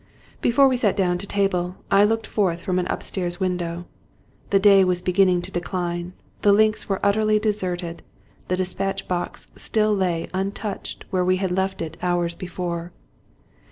Before we sat down to table, I looked forth from an up stairs window. The day was beginning to decline ; the links were utterly deserted ; the dispatch box still lay untouched where we had left it hours before.